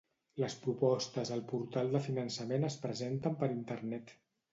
Les propostes al Portal de Finançament es presenten per internet.